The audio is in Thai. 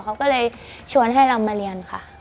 เขาก็เลยชวนให้เรามาเรียนค่ะ